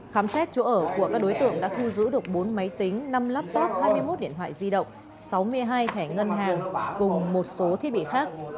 khám xét chỗ ở của các đối tượng đã thu giữ được bốn máy tính năm laptop hai mươi một điện thoại di động sáu mươi hai thẻ ngân hàng cùng một số thiết bị khác